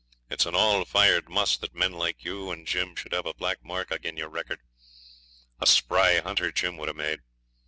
It's an all fired muss that men like you and Jim should have a black mark agin your record. A spry hunter Jim would have made.